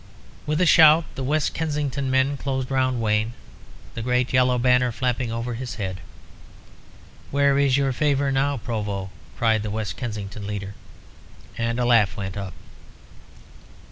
With a shout the West Kensington men closed round Wayne, the great yellow banner flapping over his head. "Where is your favour now, Provost?" cried the West Kensington leader. And a laugh went up.